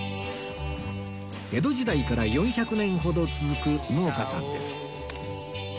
江戸時代から４００年ほど続く農家さんです